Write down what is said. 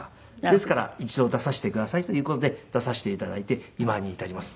ですから一度出させてくださいという事で出させて頂いて今に至ります。